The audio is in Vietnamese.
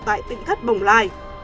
tại tỉnh thất bồng lai